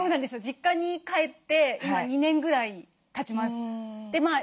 実家に帰って今２年ぐらいたちます。